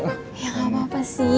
ya gak apa apa sih